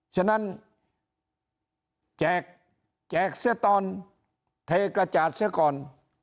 ฉะนั้นแจกแจกเสียตอนเทกระจาดเสียก่อน